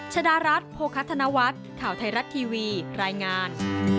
ชดารัฐโภคธนวัฒน์ข่าวไทยรัฐทีวีรายงาน